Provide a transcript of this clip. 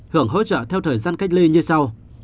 hưởng hỗ trợ theo thời gian cách ly như sau